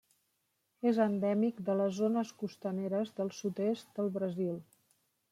És endèmic de les zones costaneres del sud-est del Brasil.